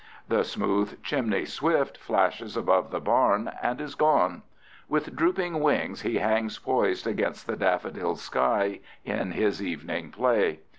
The smooth chimney swift flashes above the barn and is gone. With drooping wings he hangs poised against the daffodil sky in his evening play.